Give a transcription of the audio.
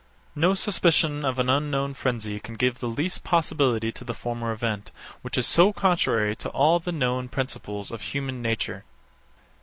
No suspicion of an unknown frenzy can give the least possibility to the former event, which is so contrary to all the known principles of human nature.